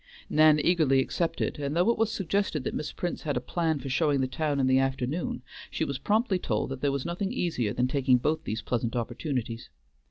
Nan eagerly accepted, and though it was suggested that Miss Prince had a plan for showing the town in the afternoon, she was promptly told that there was nothing easier than taking both these pleasant opportunities.